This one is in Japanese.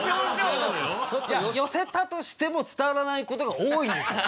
寄せたとしても伝わらないことが多いんですよ